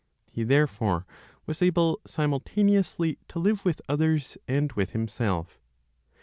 He therefore was able simultaneously to live with others and with himself.